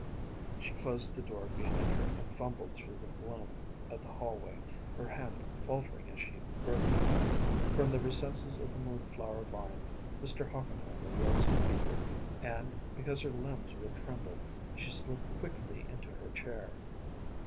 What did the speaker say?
She closed the door behind her and fumbled through the gloom of the hallway, her hand faltering as she groped ahead. From the recesses of the moonflower vine Mr. Hochenheimer rose to meet her; and, because her limbs would tremble, she slid quickly into her chair.